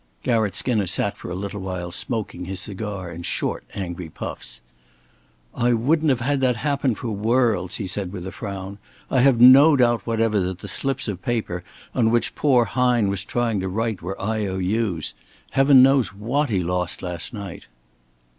Garratt Skinner sat for a little while smoking his cigar in short, angry puffs. "I wouldn't have had that happen for worlds," he said, with a frown. "I have no doubt whatever that the slips of paper on which poor Hine was trying to write were I.O.U's. Heaven knows what he lost last night."